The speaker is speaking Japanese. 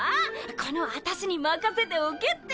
このアタシに任せておけって！